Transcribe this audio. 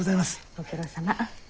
ご苦労さま。